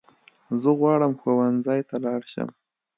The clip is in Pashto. زه غواړم ښوونځی ته لاړ شم